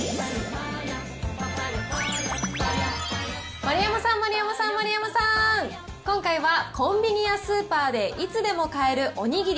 丸山さん、丸山さん、丸山さん、今回はコンビニやスーパーでいつでも買えるお握り。